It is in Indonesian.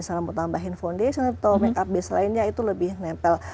misalnya mau tambahin foundation atau makeup base lainnya itu lebih nempel